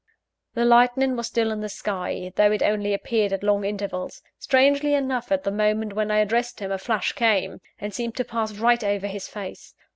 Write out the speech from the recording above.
The lightning was still in the sky, though it only appeared at long intervals. Strangely enough, at the moment when I addressed him, a flash came, and seemed to pass right over his face.